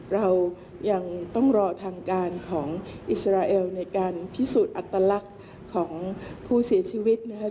เรายังต้องรอทางการของอิสราเอลในการพิสูจน์อัตลักษณ์ของผู้เสียชีวิตนะคะ